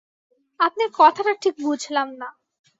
আপনার কথাটা ঠিক বুঝলাম না!